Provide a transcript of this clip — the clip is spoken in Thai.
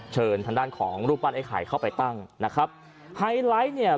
เชิญทางด้านของรูปปั้นไอ้ไข่เข้าไปตั้งนะครับไฮไลท์เนี่ย